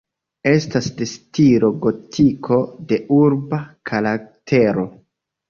Estas de stilo gotiko, de urba karaktero.